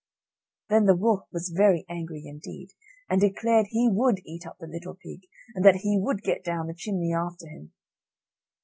Then the wolf was very angry indeed, and declared he would eat up the little pig, and that he would get down the chimney after him.